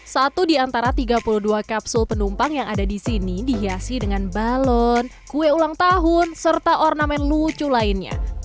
satu di antara tiga puluh dua kapsul penumpang yang ada di sini dihiasi dengan balon kue ulang tahun serta ornamen lucu lainnya